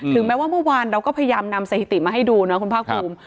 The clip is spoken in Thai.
แม้ว่าเมื่อวานเราก็พยายามนำสถิติมาให้ดูนะคุณภาคภูมิ